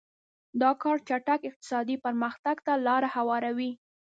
دا کار چټک اقتصادي پرمختګ ته لار هواروي.